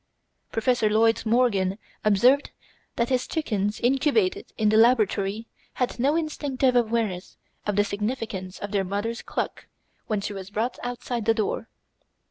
Professor Lloyd Morgan observed that his chickens incubated in the laboratory had no instinctive awareness of the significance of their mother's cluck when she was brought outside the door.